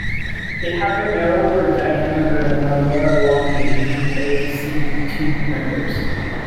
They have a narrower diameter and are more elongated compared to sieve tube members.